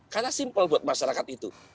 karena simple buat masyarakat itu